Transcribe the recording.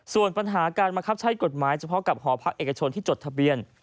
ส่วนปัญหาการบังคับใช้กฎหมายเฉพาะกับหอพักเอกชนที่จดทะเบียน